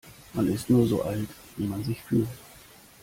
Man ist nur so alt, wie man sich fühlt.